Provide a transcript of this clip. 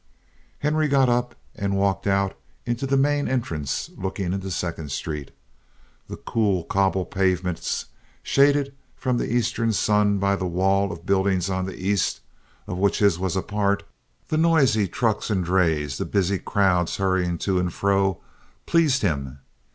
Henry got up and walked out into the main entrance looking into Second Street. The cool cobble pavements, shaded from the eastern sun by the wall of buildings on the east—of which his was a part—the noisy trucks and drays, the busy crowds hurrying to and fro, pleased him.